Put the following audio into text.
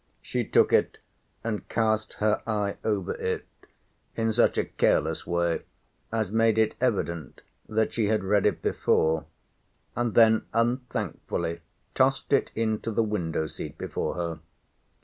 She took it, and cast her eye over it, in such a careless way, as made it evident, that she had read it before: and then unthankfully tossed it into the window seat before her.